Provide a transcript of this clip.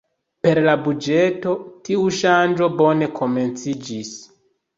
Per la buĝeto, tiu ŝanĝo bone komenciĝis.